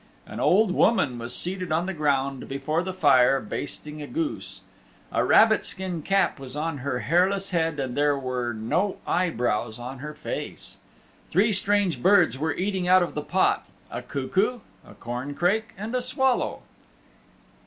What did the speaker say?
An old woman was seated on the ground before the fire basting a goose. A rabbit skin cap was on her hairless head and there were no eye brows on her face. Three strange birds were eating out of the pot a cuckoo, a corncrake and a swallow.